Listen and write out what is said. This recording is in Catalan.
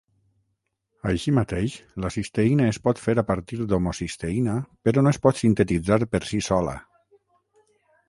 Així mateix, la cisteïna es pot fer a partir d'homocisteïna però no es pot sintetitzar per si sola.